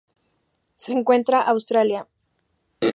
Se encuentra Australia.